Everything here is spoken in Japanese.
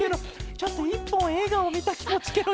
ちょっと１ぽんえいがをみたきもちケロよいま。